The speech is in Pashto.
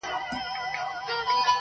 ته زموږ زړونه را سپين غوندي کړه.